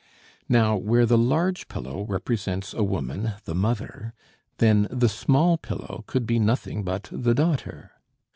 Now, where the large pillow represents a woman, the mother, then the small pillow could be nothing but the daughter.